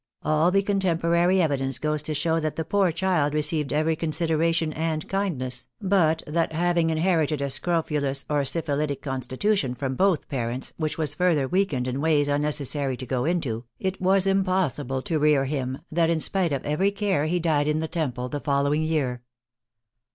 All the contemporary evidence goes to show that the poor child received every consideration and kindness, but that hav ing inherited a scrofulous or syphilitic constitution from both parents, which was further weakened in ways un necessary to go into, it was impossible to rear him, that in spite of every care he died in the Temple the following year.